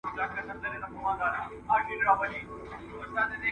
که نجونې محرومې سي، ستونزه پیدا کېږي.